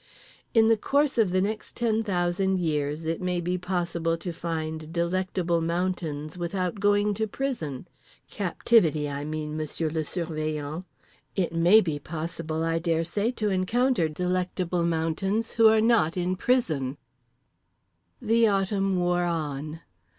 In the course of the next ten thousand years it may be possible to find Delectable Mountains without going to prison—captivity, I mean, Monsieur le Surveillant—it may be possible, I daresay, to encounter Delectable Mountains who are not in prison…. The Autumn wore on.